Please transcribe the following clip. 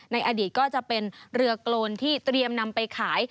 ในอดีตก็จะเป็นเรือโกนที่เตรียมนำไปขาย